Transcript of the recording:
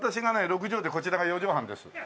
６畳でこちらが４畳半です。